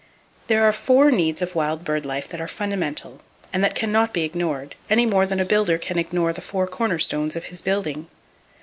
There are four needs of wild bird life that are fundamental, and that can not be ignored, any more than a builder can ignore the four cornerstones of his building.